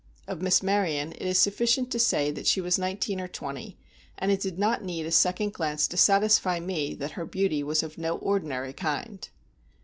Of Miss Maryon it is sufficient to say that she was nineteen or twenty, and it did not need a second glance to satisfy me that her beauty was of no ordinary kind.